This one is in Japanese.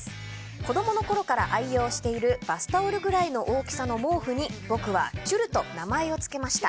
子供のころから愛用しているバスタオルくらいの大きさの毛布に僕はちゅると名前をつけました。